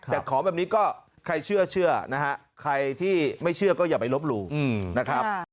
แต่ขอแบบนี้ก็ใครเชื่อนะฮะใครที่ไม่เชื่อก็อย่าไปลบหลู่นะครับ